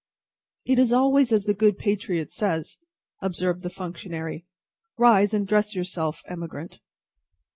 "It is always as the good patriot says," observed the functionary. "Rise and dress yourself, emigrant."